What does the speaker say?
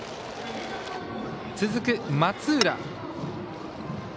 続く松浦。